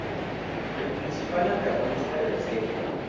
El principal antagonista de la serie.